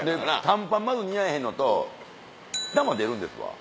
短パンまず似合わへんのと玉出るんですわ。